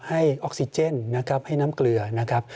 ให้ออกซิเจนนะครับให้น้ำเกลือนะครับ